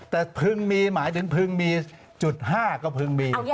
แต่พึงมีหมายถึงพึงมีจุด๕ก็พึงมี